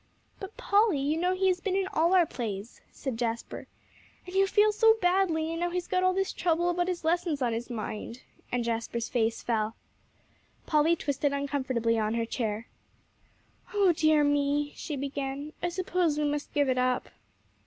"But, Polly, you know he has been in all our plays," said Jasper. "And he'll feel so badly, and now he's got all this trouble about his lessons on his mind," and Jasper's face fell. Polly twisted uncomfortably on her chair. "Oh dear me!" she began, "I suppose we must give it up."